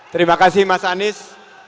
terima kasih mas anies